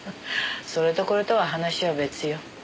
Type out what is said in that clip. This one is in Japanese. それとこれとは話は別よ。